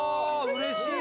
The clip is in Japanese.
うれしい。